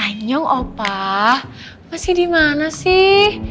anjong opa masih dimana sih